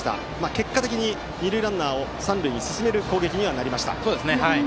結果的に、二塁ランナーを三塁に進める攻撃にはなりました。